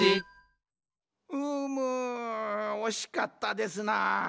うむおしかったですな。